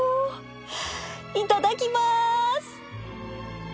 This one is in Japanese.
いただきまーす！